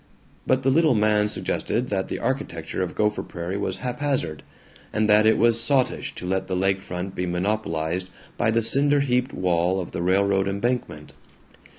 But the little man suggested that the architecture of Gopher Prairie was haphazard, and that it was sottish to let the lake front be monopolized by the cinder heaped wall of the railroad embankment.